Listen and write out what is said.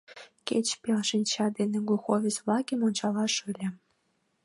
— Кеч пел шинча дене глуховец-влакым ончалаш ыле.